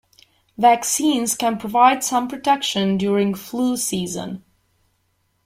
Vaccines can provide some protection during flu season.